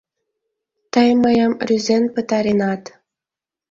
Тый мыйым рӱзен пытаренат.